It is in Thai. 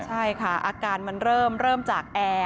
ใช่ค่ะอาการมันเริ่มจากแอร์